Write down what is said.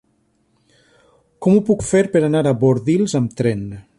Com ho puc fer per anar a Bordils amb tren?